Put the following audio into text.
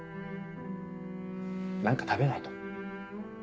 何か食べないと。